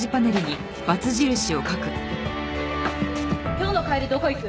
今日の帰りどこ行く？